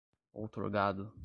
outorgado